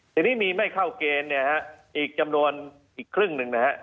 ทีนี้มีไม่เข้าเกณฑ์เนี่ยฮะอีกจำนวนอีกครึ่งหนึ่งนะฮะ